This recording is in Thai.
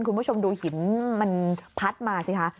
คุณผู้ชมดูหินมันพัดมาสิคะ